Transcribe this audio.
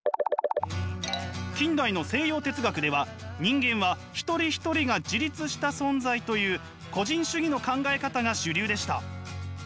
近代の西洋哲学では人間は一人一人が自立した存在という個人主義の考え方が主流でした。